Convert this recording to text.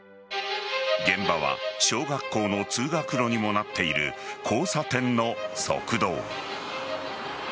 現場は小学校の通学路にもなっている交差点の側道。